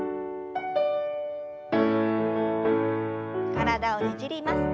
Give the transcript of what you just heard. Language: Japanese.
体をねじります。